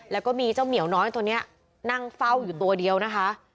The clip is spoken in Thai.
แล้วก็มีเจ้าเหมียวน้อยตัวนี้นั่งเฝ้าอยู่ตัวเดียวนะคะ